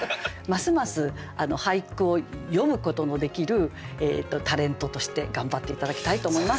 ますます俳句を詠むことのできるタレントとして頑張って頂きたいと思います。